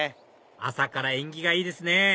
朝から縁起がいいですね